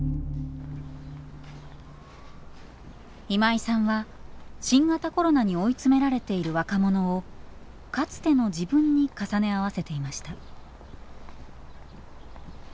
今井さんは新型コロナに追い詰められている若者をかつての自分に重ね合わせていました。